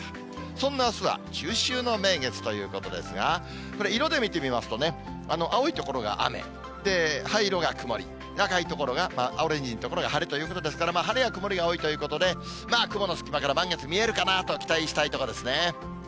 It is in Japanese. そんなあすは、中秋の名月ということですが、これ、色で見てみますと、青い所が雨、灰色が曇り、オレンジ色の所が晴れということですから、晴れや曇りが多いということで、雲の隙間から満月見えるかなと期待したいところですね。